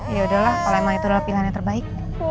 yaudah lah kalau emang itulah pilihannya terbaik